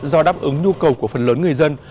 do đáp ứng nhu cầu của phần lớn người dân